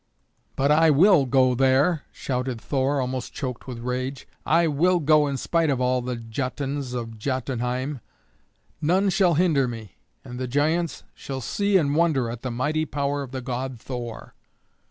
"But I will go there," shouted Thor, almost choked with rage; "I will go in spite of all the Jötuns of Jötunheim. None shall hinder me, and the giants shall see and wonder at the mighty power of the god Thor."